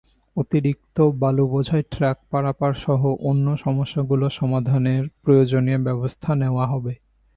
অতিরিক্ত বালুবোঝাই ট্রাক পারাপারসহ অন্য সমস্যাগুলো সমাধানের প্রয়োজনীয় ব্যবস্থা নেওয়া হবে।